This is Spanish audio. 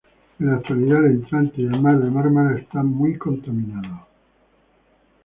En la actualidad, el entrante y el mar de Mármara están muy contaminados.